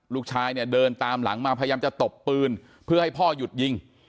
ลูกชายเนี่ยเดินตามหลังมาพยายามจะตบปืนเพื่อให้พ่อหยุดยิง